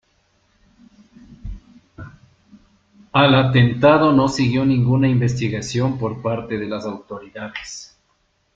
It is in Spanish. Al atentado no siguió ninguna investigación por parte de las autoridades.